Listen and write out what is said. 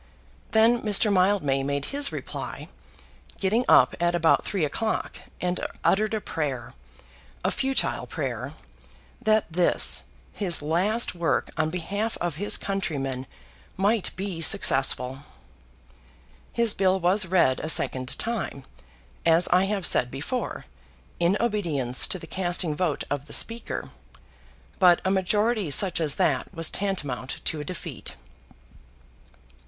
Then Mr. Mildmay made his reply, getting up at about three o'clock, and uttered a prayer, a futile prayer, that this his last work on behalf of his countrymen might be successful. His bill was read a second time, as I have said before, in obedience to the casting vote of the Speaker, but a majority such as that was tantamount to a defeat.